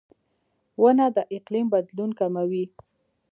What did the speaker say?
• ونه د اقلیم بدلون کموي.